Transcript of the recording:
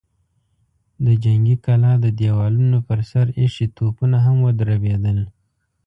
د جنګي کلا د دېوالونو پر سر ايښي توپونه هم ودربېدل.